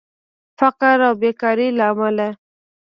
فقر او بیکارې له امله